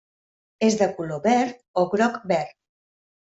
És de color verd o groc-verd.